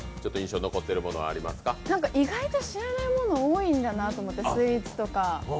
意外と知らないもの多いんだなと思って、スイーツとか。